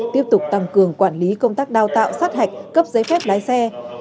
tiếp tục tăng cường quản lý công tác đào tạo sát hạch cấp giấy phép lái xe